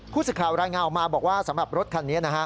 ผู้สื่อข่าวรายงานออกมาบอกว่าสำหรับรถคันนี้นะฮะ